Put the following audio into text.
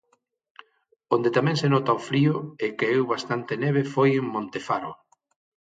Onde tamén se nota o frío e caeu bastante neve foi en Montefaro.